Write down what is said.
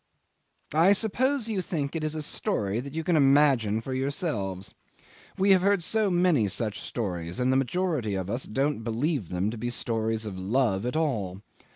'I suppose you think it is a story that you can imagine for yourselves. We have heard so many such stories, and the majority of us don't believe them to be stories of love at all.